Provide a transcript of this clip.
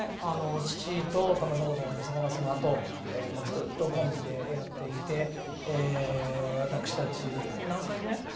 父と玉三郎のおじ様がそのあとずっとコンビでやっていて私たち何回目？